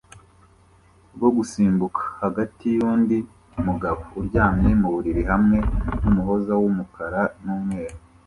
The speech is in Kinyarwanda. rwo gusimbuka hagati yundi mugabo uryamye muburiri hamwe numuhoza wumukara numweru